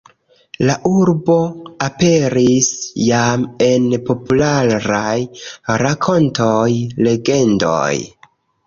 La urbo aperis jam en popularaj rakontoj, legendoj.